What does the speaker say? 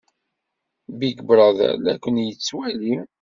Big Brother la ken-yettwali.